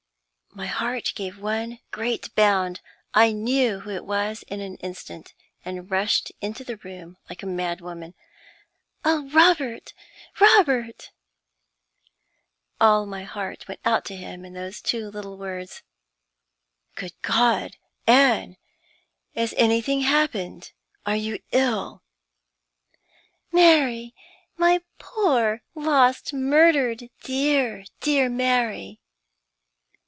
My heart gave one great bound: I knew who it was in an instant, and rushed into the room like a mad woman. "Oh, Robert, Robert!" All my heart went out to him in those two little words. "Good God, Anne, has anything happened? Are you ill?" "Mary! my poor, lost, murdered, dear, dear Mary!"